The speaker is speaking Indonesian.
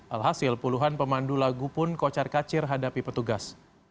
alhasil puluhan pemandu lagu pun kocar kacir hadapi petugas